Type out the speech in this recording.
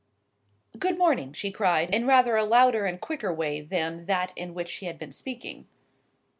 "Good morning!" she cried, in rather a louder and quicker way than that in which she had been speaking.